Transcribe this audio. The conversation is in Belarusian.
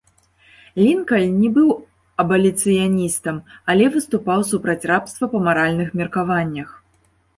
Лінкальн не быў абаліцыяністам, але выступаў супраць рабства па маральных меркаваннях.